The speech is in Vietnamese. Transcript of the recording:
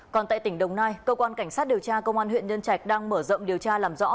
còn tại tỉnh đồng nai cơ quan cảnh sát điều tra công an huyện nhân trạch đang mở rộng điều tra làm rõ